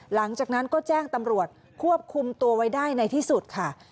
หลังจากนั้นก็แจ้งตำรวจควบคุมตัวไว้ได้ในที่สุดค่ะ